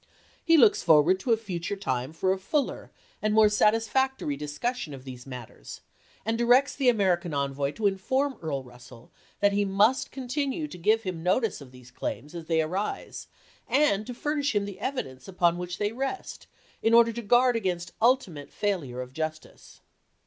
He looks forward to a future time for a fuller and more satisfactory discussion of these matters, and directs the American envoy to inform Earl Russell that he must continue to give him notice of these claims as they arise, and to furnish him the evidence upon which they rest, in order to guard against ultimate failure of justice.